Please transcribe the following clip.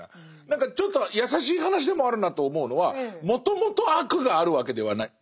何かちょっと優しい話でもあるなと思うのはもともと悪があるわけではない。